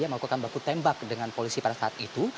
melakukan baku tembak dengan polisi pada saat itu